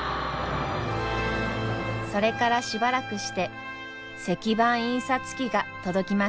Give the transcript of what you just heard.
それからしばらくして石版印刷機が届きました。